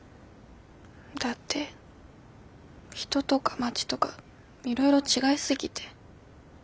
だって人とか街とかいろいろ違い過ぎて。